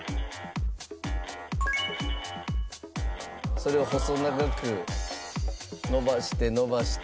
それを細長く延ばして延ばして。